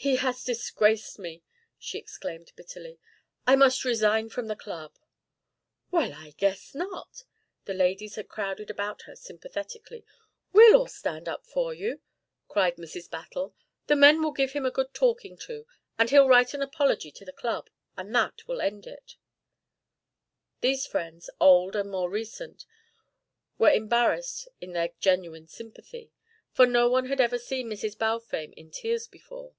"He has disgraced me!" she exclaimed bitterly. "I must resign from the Club." "Well, I guess not." The ladies had crowded about her sympathetically. "We'll all stand up for you," cried Mrs. Battle. "The men will give him a good talking to, and he'll write an apology to the Club and that will end it." These friends, old and more recent, were embarrassed in their genuine sympathy, for no one had ever seen Mrs. Balfame in tears before.